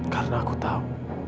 karena aku tahu